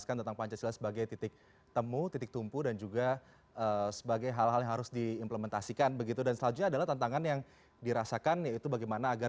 kesukaan mereka dalam olahraga